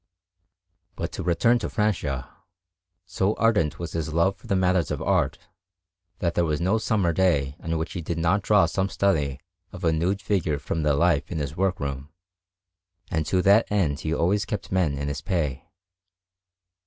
But to return to Francia; so ardent was his love for the matters of art, that there was no summer day on which he did not draw some study of a nude figure from the life in his work room, and to that end he always kept men in his pay.